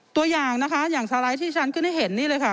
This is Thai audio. ตัวอย่างนะคะอย่างสไลด์ที่ฉันขึ้นให้เห็นนี่เลยค่ะ